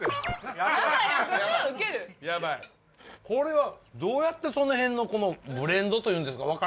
これはどうやってそのへんのブレンドというんですか？